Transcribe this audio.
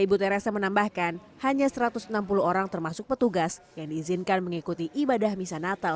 ibu teresa menambahkan hanya satu ratus enam puluh orang termasuk petugas yang diizinkan mengikuti ibadah misa natal